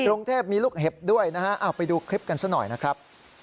กรุงเทพมีลูกเห็บด้วยนะฮะเอาไปดูคลิปกันซะหน่อยนะครับ